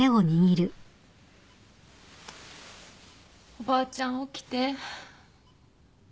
おばあちゃん起きて。